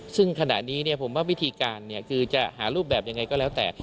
ซึ่งขณะนี้ผมว่าวิธีการคือจะหารูปแบบยังไงก็แล้วแต่